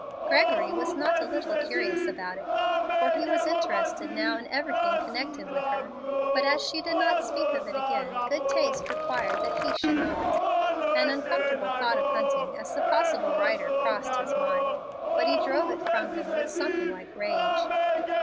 Gregory was not a little curious about it, for he was interested now in everything connected with her; but as she did not speak of it again, good taste required that he should not. An uncomfortable thought of Hunting as the possible writer crossed his mind, but he drove it from him with something like rage.